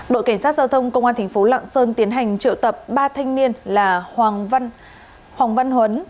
đội cảnh sát giao thông công an thành phố lạng sơn tiến hành triệu tập ba thanh niên là hoàng văn huấn